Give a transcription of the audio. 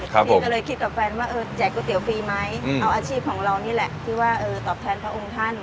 พี่ก็เลยคิดกับแฟนว่าแจกก๋วยเตี๋ยวฟรีไหมเอาอาชีพของเรานี่แหละที่ว่าตอบแทนพระองค์ท่าน